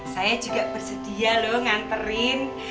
saya juga bersedia loh nganterin